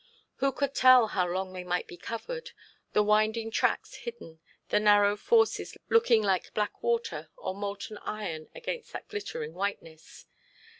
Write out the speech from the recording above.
Who could tell how long they might be covered; the winding tracks hidden; the narrow forces looking like black water or molten iron against that glittering whiteness?